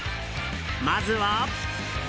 まずは。